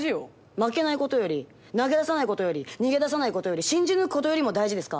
負けないことより投げ出さないことより逃げ出さないことより信じ抜くことよりも大事ですか？